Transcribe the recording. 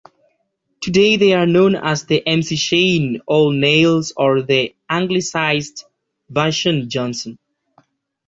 Today they are known as the McShane-O'Neills, or the anglicized version- Johnson.